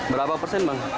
berapa persen bang